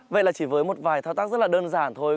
vậy là chỉ với một vài thao tác rất là đơn giản thôi